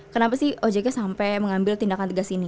kenapa sih ojk sampai mengambil tindakan tegas ini